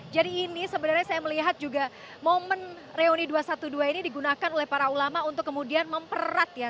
jadi ini sebenarnya saya melihat juga momen reuni dua ratus dua belas ini digunakan oleh para ulama untuk kemudian memperat ya